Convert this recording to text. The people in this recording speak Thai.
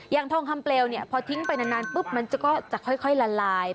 อย่างทองคำเปลวนี่พอทิ้งไปนานปุ๊บมันจะก็ค่อยละลายไป